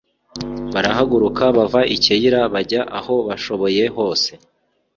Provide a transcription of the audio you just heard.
barahaguruka bava i Keyila bajya aho bashoboye hose